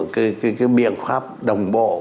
cái biện pháp đồng bộ